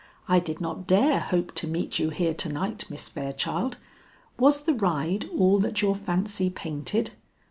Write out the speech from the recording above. I did not dare hope to meet you here to night, Miss Fairchild. Was the ride all that your fancy painted?"